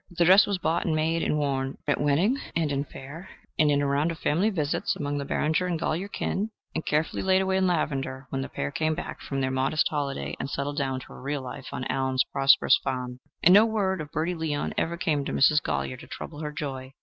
But the dress was bought and made, and worn at wedding and in fair and in a round of family visits among the Barringer and Golyer kin, and carefully laid away in lavender when the pair came back from their modest holiday and settled down to real life on Allen's prosperous farm; and no word of Bertie Leon ever came to Mrs. Golyer to trouble her joy.